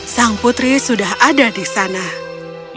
sang putri sudah ada di sana